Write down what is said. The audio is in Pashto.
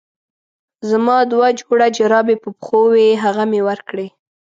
زما دوه جوړه جرابې په پښو وې هغه مې ورکړې.